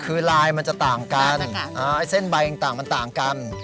คือลายมันจะต่างกันเส้นใบต่างมันต่างกัน